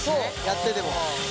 やってても。